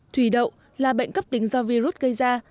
thủy đậu là bệnh cấp tính do virus gây ra